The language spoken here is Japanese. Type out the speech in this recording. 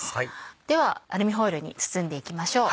ではアルミホイルに包んでいきましょう。